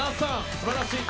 素晴らしい。